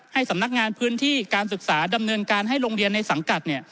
สำนักงานพื้นที่การศึกษาดำเนินการให้โรงเรียนในสังกัด